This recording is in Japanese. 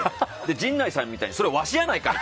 陣内さんみたいにそれ、わしやないかい！